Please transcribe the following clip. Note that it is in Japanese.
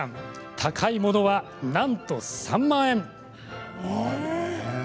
高いものは、なんと３万円。